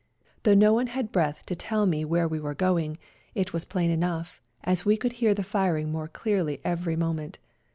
Though no one had breath to tell me where we were going, it was plain enough, as we could hear the firing more clearly every moment.